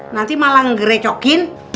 nanti malah ngegerecokin